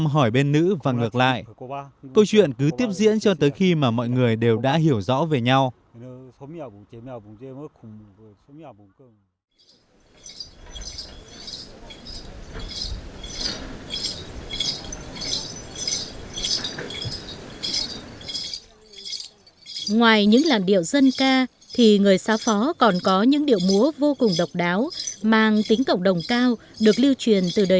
hẹn gặp lại các bạn trong những video tiếp theo